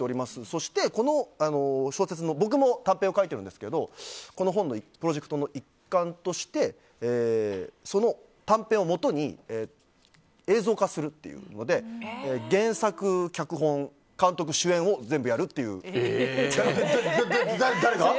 そして、小説の短編を僕も書いてるんですけどこの本のプロジェクトの一環としてその短編をもとに映像化するっていうので原作、脚本、監督、主演を誰が？